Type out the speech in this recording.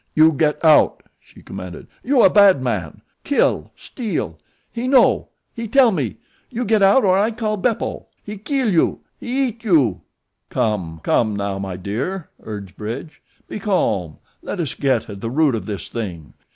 "You get out," she commanded. "You a bad man. Kill, steal. He know; he tell me. You get out or I call Beppo. He keel you. He eat you." "Come, come, now, my dear," urged Bridge, "be calm. Let us get at the root of this thing.